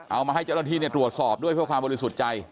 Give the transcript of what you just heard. เอามาให้เจ้าหน้าที่ตรวจสอบด้วยเพื่อความบริสุทธิ์ใจ